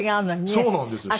そうなんですよ。